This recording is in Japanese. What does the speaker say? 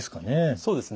そうですね。